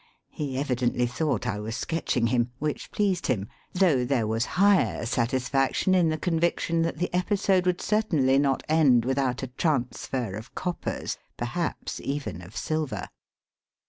He evidently thought I was sketching him, which pleased him, though there was higher satisfaction in the conviction that the episode would certainly not end without a transfer of coppers, perhaps even of silver.